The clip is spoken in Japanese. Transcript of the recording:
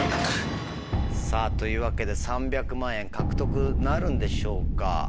ＬＯＣＫ！というわけで３００万円獲得なるんでしょうか？